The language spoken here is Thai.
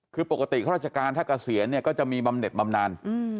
คือปกติข้าราชการถ้าเกษียณเนี่ยก็จะมีบำเน็ตบำนาน